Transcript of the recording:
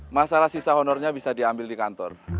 masalah sisa honor nya bisa diambil di kantor